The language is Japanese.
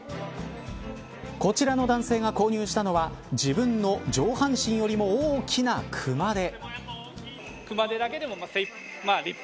こちらの男性が購入したのは自分の上半身よりも大きな熊手。